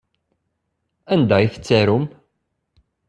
Anda i tettarum?